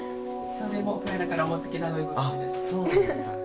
それもウクライナから持ってきたということです。